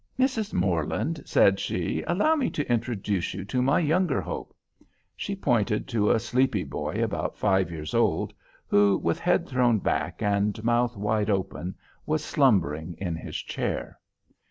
"Mrs. Morland," said she, "allow me to introduce you to my youngest hope." She pointed to a sleepy boy about five years old, who with head thrown back and mouth wide open, was slumbering in his chair.